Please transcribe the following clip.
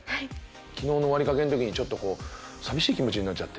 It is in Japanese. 昨日の終わりかけの時にちょっとこう寂しい気持ちになっちゃって。